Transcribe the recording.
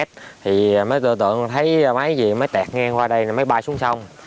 thì mới tối tượng thấy máy gì mới tẹt ngang qua đây mới bay xuống sông